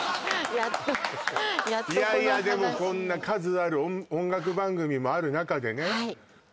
やっとやっとこの話にいやいやでもこんな数ある音楽番組もある中でね